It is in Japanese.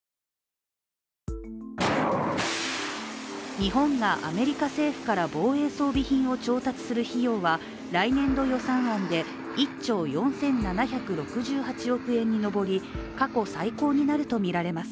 日本がアメリカ政府から防衛装備品を調達する費用は来年度予算案で１兆４７６８億円に上り、過去最高になるとみられます。